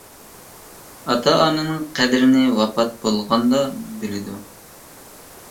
ئاتا ئانىنىڭ قەدرىنى ۋاپات بولغاندا بىلىدۇ.